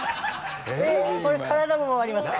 これ体も回りますから。